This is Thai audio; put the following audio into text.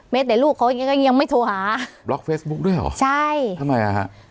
แม้แต่ลูกเขายังไม่โทรหาบล็อกเฟสบุ๊คด้วยเหรอใช่ทำไมอ่ะ